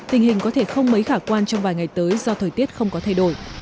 tình hình có thể không mấy khả quan trong vài ngày tới do thời tiết không có thay đổi